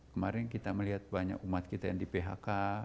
kemarin kita melihat banyak umat kita yang di phk